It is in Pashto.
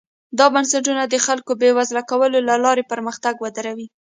دا بنسټونه د خلکو بېوزله کولو له لارې پرمختګ ودروي.